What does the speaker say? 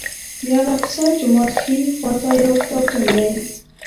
د الاقصی جومات ښي خوا ته یو کتابتون دی.